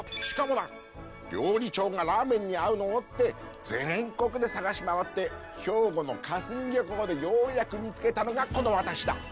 「しかもな料理長がラーメンに合うのをって全国で探し回って兵庫の香住漁港でようやく見つけたのがこの私だ」。